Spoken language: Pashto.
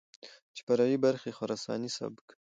چې فرعي برخې خراساني سبک،